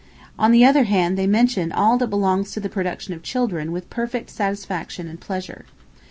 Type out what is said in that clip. On the other hand they mention all that belongs to the production of children with perfect satisfaction and pleasure.